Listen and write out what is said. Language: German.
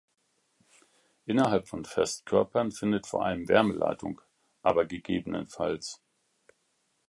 Innerhalb von Festkörpern findet vor allem Wärmeleitung, aber ggf.